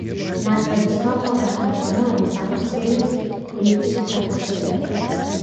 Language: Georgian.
ნაკრების კონტროლს და ხელმძღვანელობას ახორციელებს ლიტვის ფეხბურთის ფედერაცია.